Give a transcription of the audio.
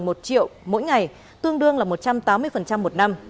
năm đồng một triệu mỗi ngày tương đương là một trăm tám mươi một năm